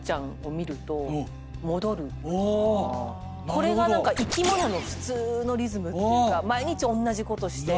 これが生き物の普通のリズムっていうか毎日おんなじことして。